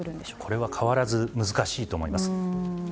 これは変わらず難しいと思います。